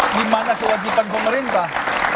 di mana kewajiban pemerintah